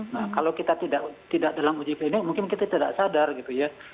nah kalau kita tidak dalam uji klinik mungkin kita tidak sadar gitu ya